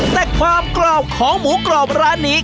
แต่ความกรอบของหมูกรอบร้านนี้